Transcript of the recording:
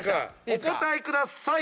お答えください。